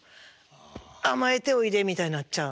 「甘えておいで」みたいになっちゃう。